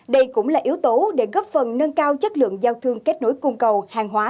đây cũng là yếu tố để góp phần nâng cao chất lượng giao thương kết nối cung cầu hàng hóa